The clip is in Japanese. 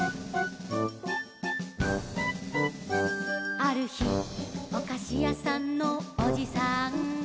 「あるひおかしやさんのおじさんが」